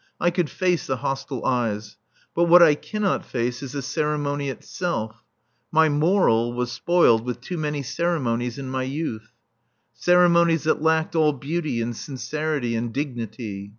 I could face the hostile eyes. But what I cannot face is the ceremony itself. My moral was spoiled with too many ceremonies in my youth; ceremonies that lacked all beauty and sincerity and dignity.